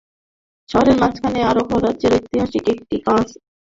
শহরের মাঝখানে অহোম রাজ্যের ঐতিহাসিক একটি কামান আছে, যার নাম বোর পাখুরি।